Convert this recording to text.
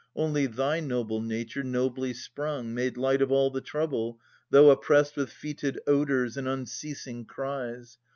Only thy noble nature, nobly sprung, Made light of all the trouble, though oppressed With fetid odours and unceasing cries.